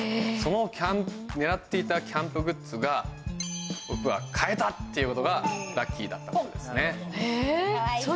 そのねらっていたキャンプグッズが僕は買えた！っていうのがラッキーだったことですね。